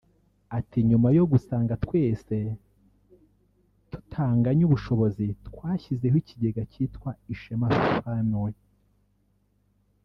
Ati “ Nyuma yo gusanga twese tutanganya ubushobozi twashyizeho ikigega cyitwa “Ishema Family”